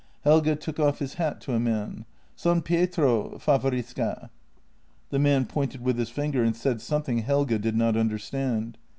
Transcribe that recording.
Helge took off his hat to a man: " San Pietro, favorisca? " The man pointed with his finger and said something Helge did not understand.